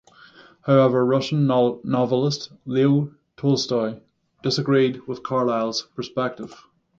However, Russian novelist Leo Tolstoy disagreed with Carlyle's perspective.